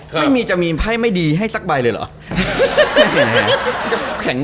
ไม่มีจะมีไพ่ไม่ดีให้สักใบเลยเหรอ